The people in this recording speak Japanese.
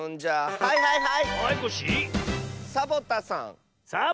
はいはいはい！